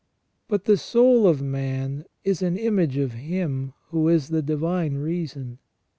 But the soul of man is an image of Him who is the Divine Reason.